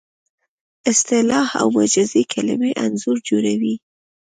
اصطلاح او مجازي کلمې انځور جوړوي